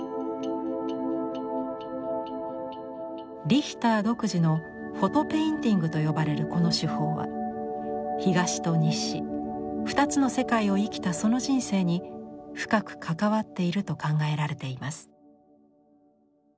リヒター独自の「フォト・ペインティング」と呼ばれるこの手法は東と西２つの世界を生きたその人生に深く関わっていると考えられています。